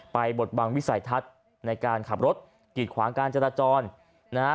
บทบังวิสัยทัศน์ในการขับรถกิดขวางการจราจรนะฮะ